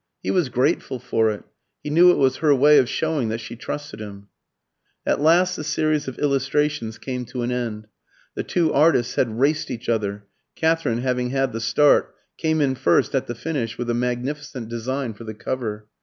He was grateful for it; he knew it was her way of showing that she trusted him. At last the series of illustrations came to an end. The two artists had raced each other: Katherine, having had the start, came in first at the finish with a magnificent design for the cover.